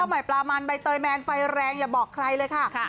ใหม่ปลามันใบเตยแมนไฟแรงอย่าบอกใครเลยค่ะ